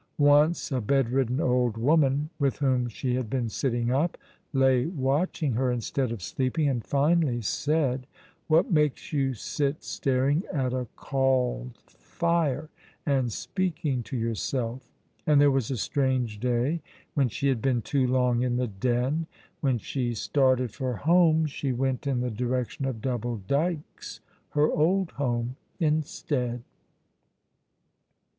Once a bedridden old woman, with whom she had been sitting up, lay watching her instead of sleeping, and finally said: "What makes you sit staring at a cauld fire, and speaking to yourself?" And there was a strange day when she had been too long in the Den. When she started for home she went in the direction of Double Dykes, her old home, instead.